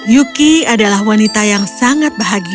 yuki adalah wanita yang sangat bahagia